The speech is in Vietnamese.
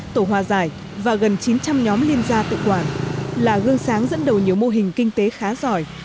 tổ hòa giải và gần chín trăm linh nhóm liên gia tự quản là gương sáng dẫn đầu nhiều mô hình kinh tế khá giỏi